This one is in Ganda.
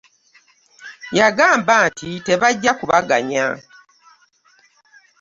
Yagamba nti tebajja kubagamya.